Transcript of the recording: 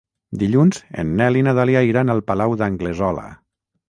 Dilluns en Nel i na Dàlia iran al Palau d'Anglesola.